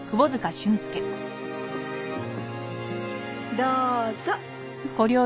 どうぞ。